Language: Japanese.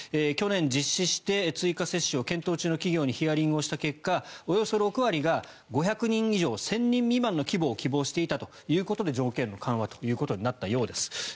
去年実施して追加接種を検討中の企業にヒアリングした結果およそ６割が５００人以上１０００人未満の規模を希望していたということで条件の緩和となったようです。